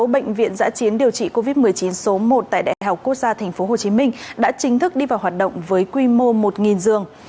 bệnh viện giã chiến điều trị covid một mươi chín số một tại đại học quốc gia tp hcm đã chính thức đi vào hoạt động với quy mô một giường